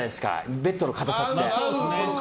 ベッドの硬さって。